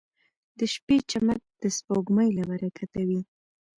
• د شپې چمک د سپوږمۍ له برکته وي.